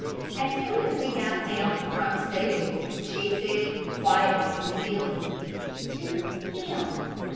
As soon as we got down the front steps, she said, quietly to Billy, "To heel."